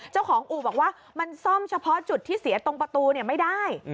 เจ้าของอู่บอกว่ามันซ่อมเฉพาะจุดที่เสียตรงประตูไม่ได้